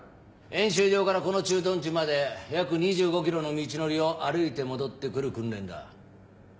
演習場からこの駐屯地まで約２５ｋｍの道のりを歩いて戻ってくる訓練だ。